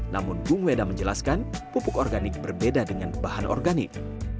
namun bung weda menjelaskan pupuk organik berbeda dengan bahan organik